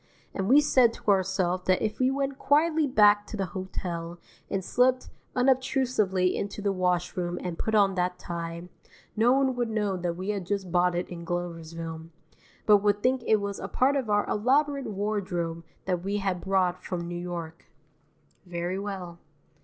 And we said to ourself that if we went quietly back to the hotel and slipped unobtrusively into the washroom and put on that tie, no one would know that we had just bought it in Gloversville, but would think it was a part of our elaborate wardrobe that we had brought from New York. Very well.